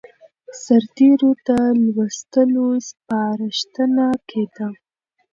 سرتېرو ته د لوستلو سپارښتنه کېده.